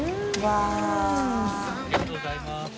ありがとうござます。